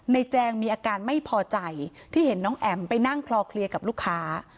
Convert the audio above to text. แจงมีอาการไม่พอใจที่เห็นน้องแอ๋มไปนั่งคลอเคลียร์กับลูกค้า